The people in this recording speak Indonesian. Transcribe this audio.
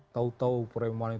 tahu tahu preman itu